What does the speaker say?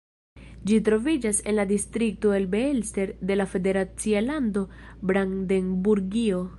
Ĝi troviĝas en la distrikto Elbe-Elster de la federacia lando Brandenburgio.